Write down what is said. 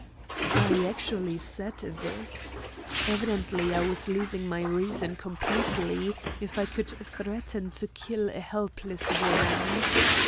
I actually said this. Evidently I was losing my reason completely if I could threaten to kill a helpless woman.